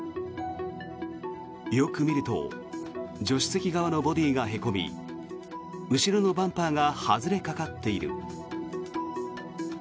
よく見ると助手席側のボディーがへこみ後ろのバンパーが外れかかっている。